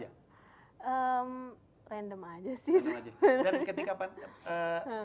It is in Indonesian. dan ketika pandemi ini kan